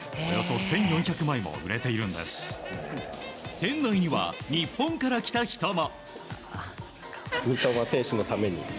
店内には日本から来た人も。